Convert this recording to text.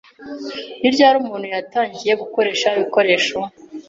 Ni ryari umuntu yatangiye gukoresha ibikoresho?